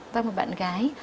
và một bạn gái